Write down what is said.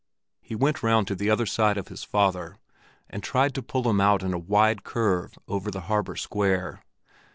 He went round to the other side of his father, and tried to pull him out in a wide curve over the harbor square.